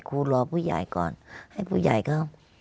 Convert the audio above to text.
ครูรอผู้ใหญ่ก่อนให้ผู้ใหญ่เขา